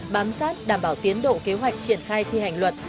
bám sát đảm bảo tiến độ kế hoạch triển khai thi hành luật